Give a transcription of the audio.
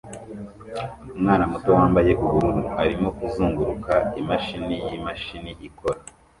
Umwana muto wambaye ubururu arimo kuzunguruka imashini yimashini ikora